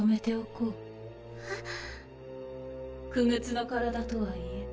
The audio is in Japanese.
傀儡の体とはいえ